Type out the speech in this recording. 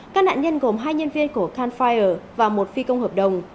các nạn nhân gồm hai nhân viên của canfire và một phi công hợp đồng